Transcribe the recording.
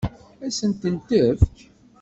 Ad sent-ten-tefk?